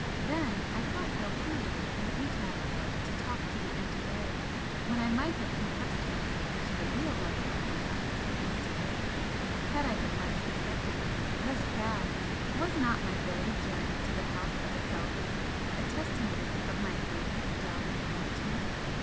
Then I felt how foolish and futile it was to talk to the empty air when I might have confessed myself to the real lover of my life face to face, had I been less sceptical, less proud! Was not my very journey to the House of Aselzion a testimony of my own doubting attitude?